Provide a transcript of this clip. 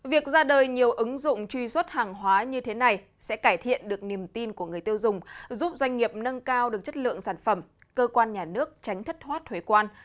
việc ra đời nhiều ứng dụng truy xuất hàng hóa như thế này sẽ cải thiện được niềm tin của người tiêu dùng giúp doanh nghiệp nâng cao được chất lượng sản phẩm cơ quan nhà nước tránh thất thoát thuế quan